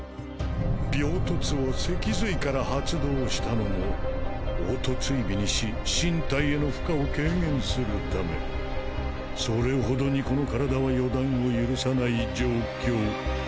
鋲突を脊髄から発動したのもオート追尾にし心体への負荷を軽減する為それ程にこの身体は予断を許さない状況。